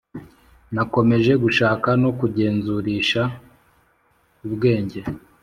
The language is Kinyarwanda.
nakomeje gushaka no kugenzurish ubwenge